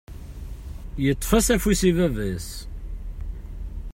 Yeṭṭef-as afus i baba-s.